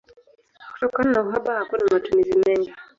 Kutokana na uhaba hakuna matumizi mengi.